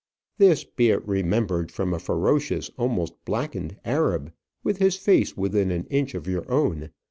This, be it remembered, from a ferocious, almost blackened Arab, with his face within an inch of your own.